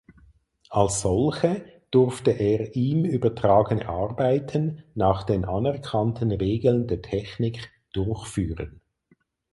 Als solche durfte er ihm übertragene Arbeiten nach den anerkannten Regeln der Technik durchführen.